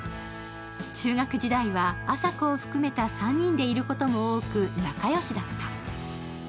中学時代は亜沙子を含めた３人でいることも多く、仲よしだった。